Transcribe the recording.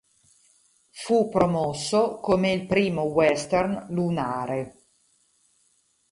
Fu promosso come "il primo 'western' lunare".